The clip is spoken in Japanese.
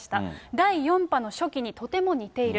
第４波の初期にとても似ている。